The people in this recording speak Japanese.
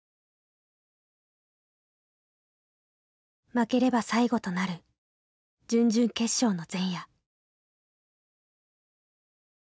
負ければ最後となる準々決勝の前夜。